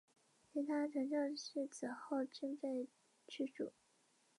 北岳是日本重要的登山圣地。